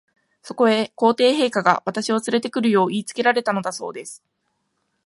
そこへ、皇帝陛下が、私をつれて来るよう言いつけられたのだそうです。